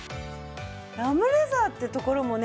ラムレザーってところもね